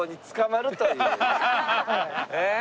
ええ？